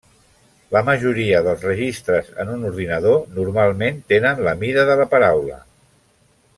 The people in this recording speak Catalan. La majoria dels registres en un ordinador normalment tenen la mida de la paraula.